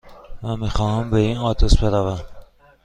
من میخواهم به این آدرس بروم.